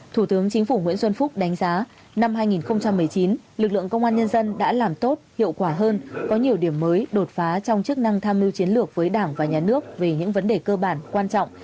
thủ tướng chính phủ nguyễn xuân phúc đánh giá năm hai nghìn một mươi chín lực lượng công an nhân dân đã làm tốt hiệu quả hơn có nhiều điểm mới đột phá trong chức năng tham mưu chiến lược với đảng và nhà nước về những vấn đề cơ bản quan trọng